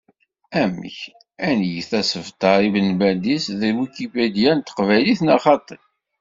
Amek, ad nget asebter i Ben Badis deg Wikipedia n teqbaylit neɣ xaṭi?